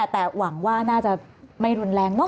แต่หวังว่าน่าจะไม่รุนแรงเนอ